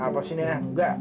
apa sih nek nggak